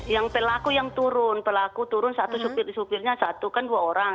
yang pelaku yang turun pelaku turun satu supirnya satu kan dua orang